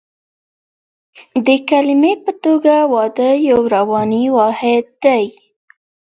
د کلمې په توګه واده یو رواني واحد دی